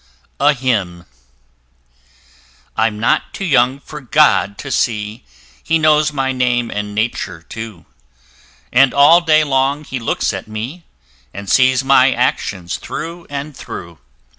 A HYMN. I'm not too young for GOD to see: He knows my name and nature too, And all day long he looks at me, And sees my actions through and through.